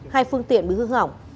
hai phương tiện bị hư ngỏng